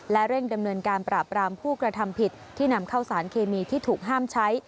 และเร่งดำเนินการปราบรามผู้กระทำผิดที่นำเข้าสารเคมีที่ถูกห้ามใช้